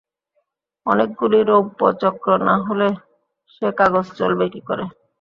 অনেকগুলি রৌপ্যচক্র না হলে সে কাগজ চলবে কী করে।